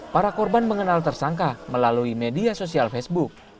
para korban mengenal tersangka melalui media sosial facebook